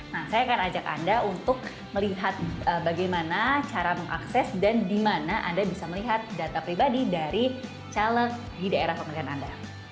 nah saya akan ajak anda untuk melihat bagaimana cara mengakses dan di mana anda bisa melihat data pribadi dari caleg di daerah pemilihan anda